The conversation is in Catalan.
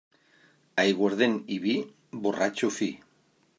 Aiguardent i vi, borratxo fi.